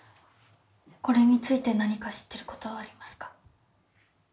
これについて何か知ってることはありますか？